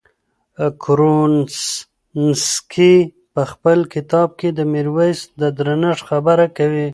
کروسنسکي په خپل کتاب کې د میرویس د درنښت خبره کوي.